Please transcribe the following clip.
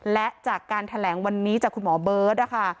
และจากการแถลงวันนี้จากคุณหมอเบิร์ตนะคะ